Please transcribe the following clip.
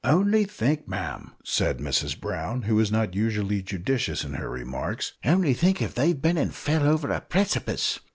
"Only think, ma'am," said Mrs Brown, who was not usually judicious in her remarks, "only think if they've been an' fell hover a precipice."